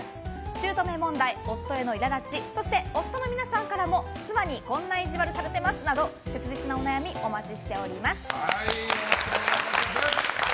姑問題、夫への苛立ちそして夫の皆さんからも、妻にこんなイジワルされてますなど切実なお悩みお待ちしております。